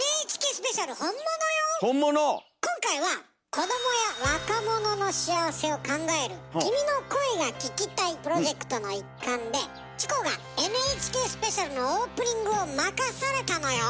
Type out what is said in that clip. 今回は子どもや若者の幸せを考える「君の声が聴きたい」プロジェクトの一環でチコが「ＮＨＫスペシャル」のオープニングを任されたのよ！